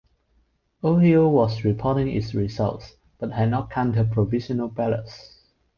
Ohio was reporting its results, but had not counted provisional ballots.